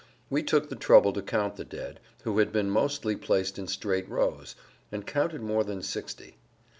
We took the trouble to count the dead, who had been mostly placed in straight rows, and counted more than sixty.